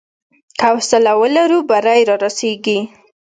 که حوصله ولرو، بری رارسېږي.